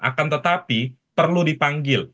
akan tetapi perlu dipanggil